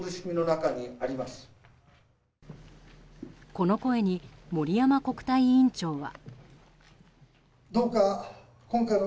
この声に森山国対委員長は。